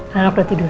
harap udah tidur ya